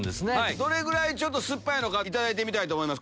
どれぐらい酸っぱいのかいただいてみたいと思います。